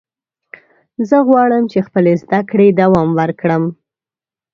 زه غواړم چې خپلې زده کړې دوام ورکړم.